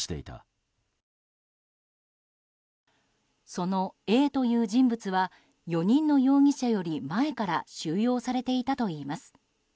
そのＡという人物は４人の容疑者より前から収容されていたといいます。